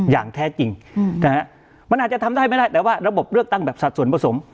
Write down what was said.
อย่างแท้จริงนะฮะมันอาจจะทำได้ไม่ได้แต่ว่าระบบเลือกตั้งแบบสัดส่วนผสม